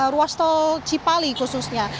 ruas tol cipali khususnya